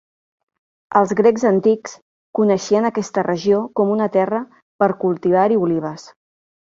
Els grecs antics coneixien aquesta regió com una terra per cultivar-hi olives.